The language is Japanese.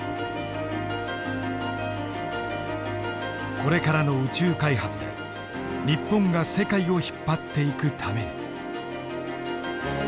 これからの宇宙開発で日本が世界を引っ張っていくために。